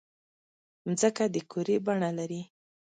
مځکه د کُرې بڼه لري.